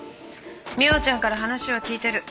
澪ちゃんから話は聞いてる。